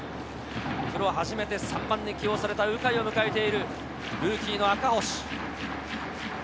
プロ初めて３番で起用された鵜飼を迎えているルーキーの赤星。